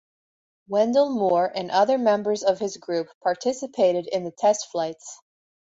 Wendell Moore and other members of his group participated in the test flights.